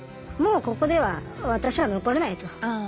もうここでは私は残れないと。